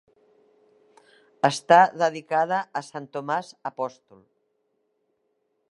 Està dedicada a sant Tomàs Apòstol.